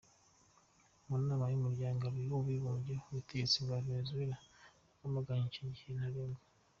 Mu nama y'umuryango w'abibumbye, ubutegetsi bwa Venezuela bwamaganye icyo gihe ntarengwa.